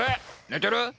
寝てる？